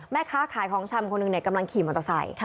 แม่ค้าขายของชำคนหนึ่งกำลังขี่มอเตอร์ไซค์